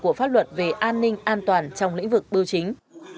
của pháp luật về an ninh an toàn trong lĩnh vực bưu chính